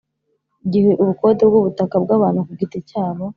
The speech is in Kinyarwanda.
Igihe ubukode bw ubutaka bw abantu ku giti cyabo